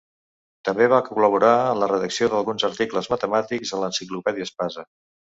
També va col·laborar en la redacció d'alguns articles matemàtics a l'Enciclopèdia Espasa.